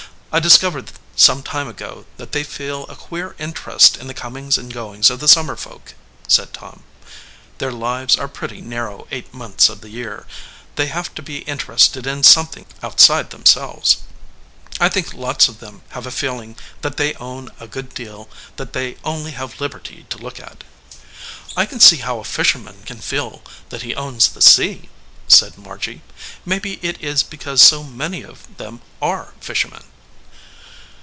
I discovered some time ago that they feel a queer interest in the comings and goings of the summer folk," said Tom. "Their lives are pretty narrow eight months of the year. They have to be inter ested in something outside themselves. I think lots of them have a feeling that they own a good deal that they only have liberty to look at." "I can see how a fisherman can feel that he owns the sea," said Margy. "Maybe it is because so many of them are fishermen."